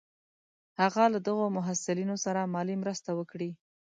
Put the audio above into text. هغه له دغو محصلینو سره مالي مرستې وکړې.